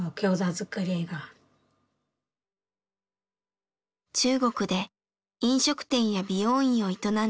中国で飲食店や美容院を営んでいたヘソンさん。